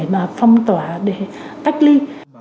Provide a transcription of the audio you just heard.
để phong tỏa để tách ly